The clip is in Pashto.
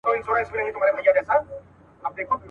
وعده پر رسېدو ده څوک به ځي څوک به راځي.